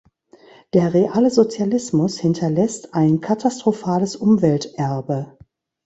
Der reale Sozialismus hinterlässt ein katastrophales Umwelterbe.